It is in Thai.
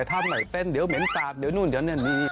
ถ้าไม่เป็นเดี๋ยวเหม็นสาบเดี๋ยวนู่นเดี๋ยวนั่นดี